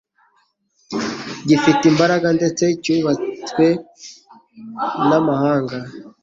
gifite imbaraga ndetse cyubashwe n'amahanga